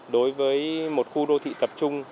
đối với một khu đô thị tập trung